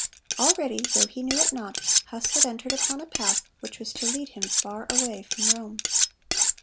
Already, though he knew it not, Huss had entered upon a path which was to lead him far away from Rome.